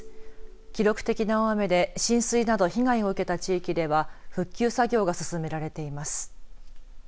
記録的な大雨で浸水など被害を受けた地域では復旧作業が進められています。